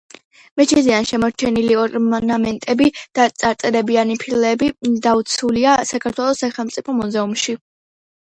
მეჩეთიდან შემორჩენილი ორნამენტები და წარწერებიანი ფილები დაცულია საქართველოს სახელმწიფო მუზეუმში.